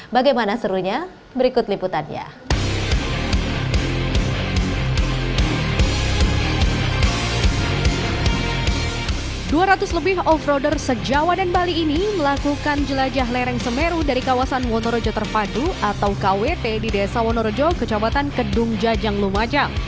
bagaimana serunya berikut liputannya